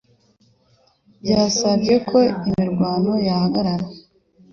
Basabye ko imirwano yahagarara